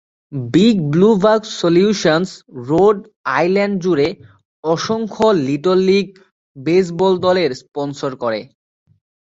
Big blue bug solutions Rhode Island জুড়ে অসংখ্য little league baseball দলের স্পনসর করে।